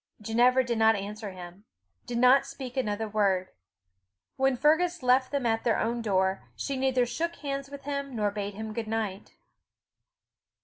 Ginevra did not answer him did not speak another word. When Fergus left them at their own door, she neither shook hands with him nor bade him good night.